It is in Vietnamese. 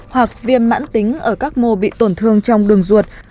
hoặc viêm mãn tính ở các mô bị tổn thương trong đường ruột